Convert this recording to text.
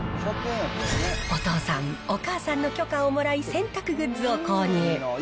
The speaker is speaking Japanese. お父さん、お母さんの許可をもらい、洗濯グッズを購入。